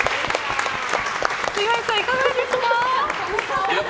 岩井さん、いかがですか？